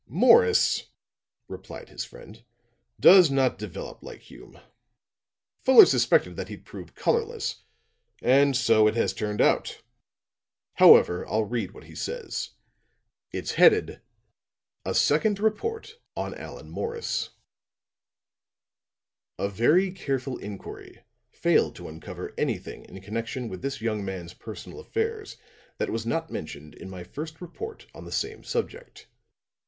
"Morris," replied his friend, "does not develop like Hume. Fuller suspected that he'd prove colorless, and so it has turned out. However, I'll read what he says. It's headed: "'A Second Report on Allan Morris "'A very careful inquiry failed to uncover anything in connection with this young man's personal affairs that was not mentioned in my first report on the same subject.